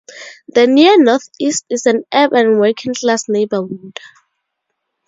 The Near Northeast is an urban working-class neighborhood.